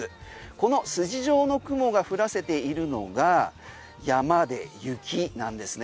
この筋状の雲が降らせているのが山で雪なんですね。